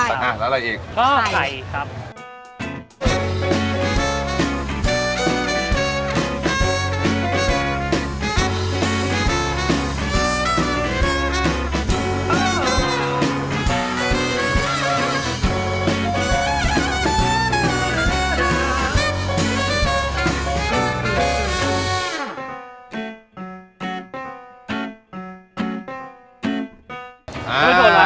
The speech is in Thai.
ใช่แล้วอะไรอีกก็ไทยครับ